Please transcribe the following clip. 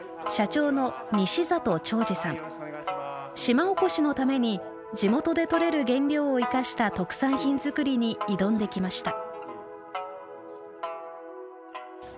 島おこしのために地元で取れる原料を生かした特産品作りに挑んできました。